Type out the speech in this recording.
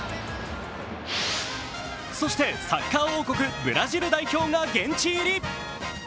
そしてサッカー王国・ブラジル代表が現地入り。